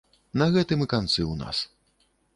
На гэтым і канцы ў нас.